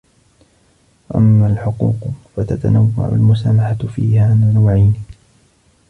وَأَمَّا الْحُقُوقُ فَتَتَنَوَّعُ الْمُسَامَحَةُ فِيهَا نَوْعَيْنِ